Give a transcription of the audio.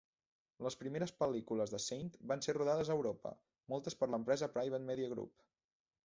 Les primeres pel·lícules de Saint van ser rodades a Europa, moltes per l'empresa Private Media Group.